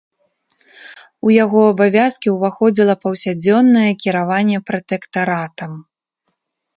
У яго абавязкі ўваходзіла паўсядзённае кіраванне пратэктаратам.